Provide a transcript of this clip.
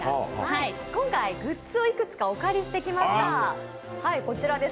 今回、グッズをいくつかお借りしてきました。